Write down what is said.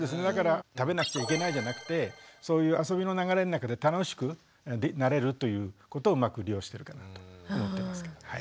だから食べなくちゃいけないじゃなくてそういう遊びの流れの中で楽しくなれるということをうまく利用してるかなと思ってますけど。